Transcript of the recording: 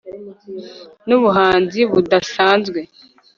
Nubuhanzi budasanzwe